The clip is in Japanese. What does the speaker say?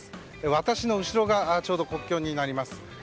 私の後ろがちょうど国境になります。